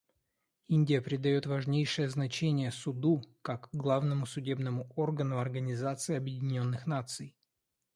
Индия придает важнейшее значение Суду как главному судебному органу Организации Объединенных Наций.